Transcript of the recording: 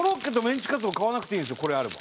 これあれば。